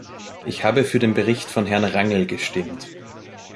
Ich habe für den Bericht von Herrn Rangel gestimmt.